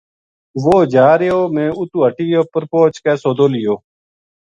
وہ جا رہیو میں اُتو ہٹی اپر پوہچ کے سودو لیو۔